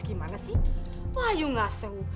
gimana sih wah yuk gak seru